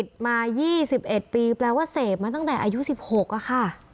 ติดมายี่สิบเอ็ดปีแปลว่าเสพมาตั้งแต่อายุสิบหกอะค่ะ